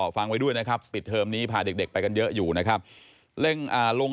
ฟังไว้ด้วยนะครับปิดเทอมนี้พาเด็กไปกันเยอะอยู่นะครับเร่งอ่าลง